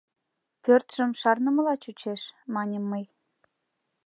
— Пӧртшым шарнымыла чучеш, — маньым мый.